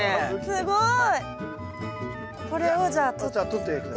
すごい。